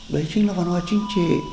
đấy chính là văn hóa chính trị